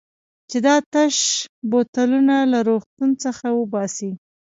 چې دا تش بوتلونه له روغتون څخه وباسي.